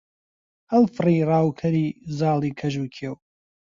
هەڵفڕی ڕاوکەری زاڵی کەژ و کێو